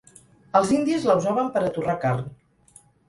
Els indis la usaven per a torrar carn.